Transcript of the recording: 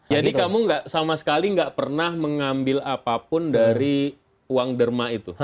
jadi kamu sama sekali gak pernah mengambil apapun dari uang derma itu